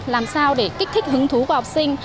làm sao để kích thích hứng thú của học sinh